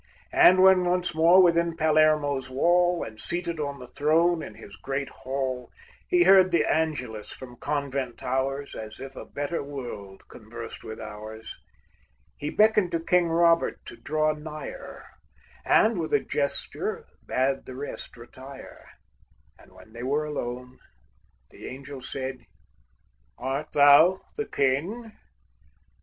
And when once more within Palermo's wall, And, seated on the throne in his great hall, He heard the Angelus from convent towers, As if a better world conversed with ours, He beckoned to King Robert to draw nigher, And with a gesture bade the rest retire; And when they were alone, the Angel said, "Art thou the King?"